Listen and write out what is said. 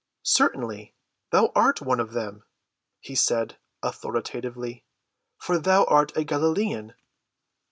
"Certainly, thou art one of them," he said authoritatively, "for thou art a Galilean."